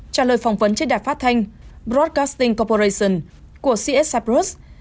trả lời phỏng vấn trên đài phát thanh broadcasting corporation của csf bruce